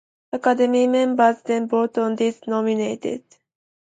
Academy members then vote on these nominations.